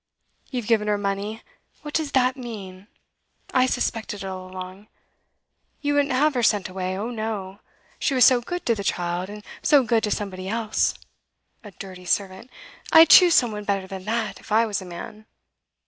You've given her money what does that mean? I suspected it all along. You wouldn't have her sent away; oh no! She was so good to the child and so good to somebody else! A dirty servant! I'd choose some one better than that, if I was a man.